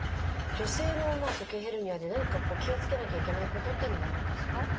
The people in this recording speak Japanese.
女性の鼠径ヘルニアで何か気をつけなきゃいけないことっていうのはあるんですか？